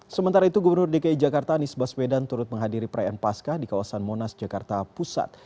sementara itu gubernur dki jakarta anies baswedan turut menghadiri perayaan pasca di kawasan monas jakarta pusat